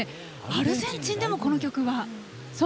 アルゼンチンでも、この曲が。